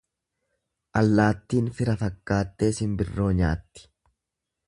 Allaattiin fira fakkaattee simbirroo nyaatti.